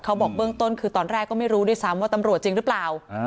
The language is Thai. บอกเบื้องต้นคือตอนแรกก็ไม่รู้ด้วยซ้ำว่าตำรวจจริงหรือเปล่า